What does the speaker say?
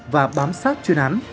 và bám sát chuyên án